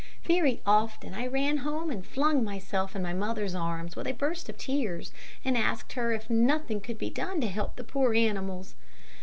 Very often, I ran home and flung myself in my mother's arms with a burst of tears, and asked her if nothing could be done to help the poor animals.